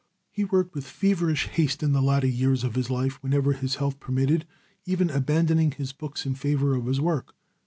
He worked with feverish haste in the latter years of his life, whenever his health permitted, even abandoning his books in favor of his work.